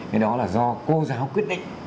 thế đó là do cô giáo quyết định